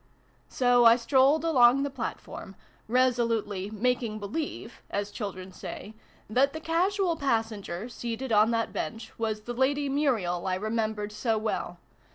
" So I strolled along the platform, resolutely ' making believe ' (as children say) that the casual passenger, seated on that bench, was the Lady Muriel I remembered so well.